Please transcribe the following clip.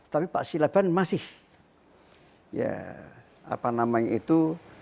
tapi pak silaban masih ya apa namanya itu